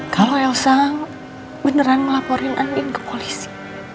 kalau elsa beneran melaporin anding ke polisi